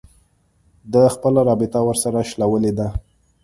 ده خپله رابطه ورسره شلولې ده